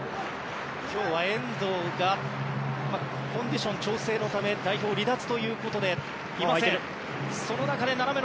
今日は遠藤がコンディション調整のため代表離脱ということでいません。